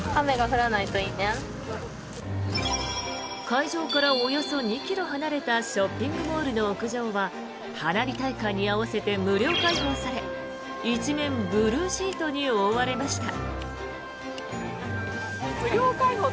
会場からおよそ２ｋｍ離れたショッピングモールの屋上は花火大会に合わせて無料開放され一面ブルーシートに覆われました。